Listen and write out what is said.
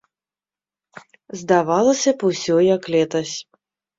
Здавалася б, усё як летась.